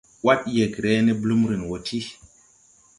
Wad yɛgre ne blumrin wɔ ti.